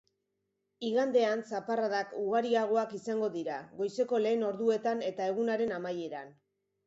Igandean, zaparradak ugariagoak izango dira goizeko lehen orduetan eta egunaren amaieran.